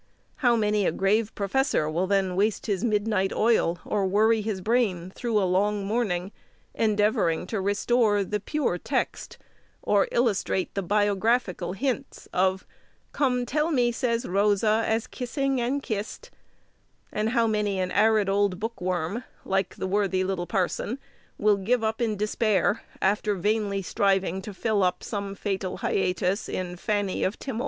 How many a grave professor will then waste his midnight oil, or worry his brain through a long morning, endeavouring to restore the pure text, or illustrate the biographical hints of "Come tell me, says Rosa, as kissing and kissed;" and how many an arid old book worm, like the worthy little parson, will give up in despair, after vainly striving to fill up some fatal hiatus in "Fanny of Timmol!"